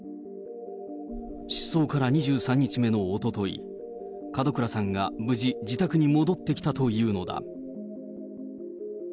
失踪から２３日目のおととい、門倉さんが無事、自宅に戻ってきたというのだ。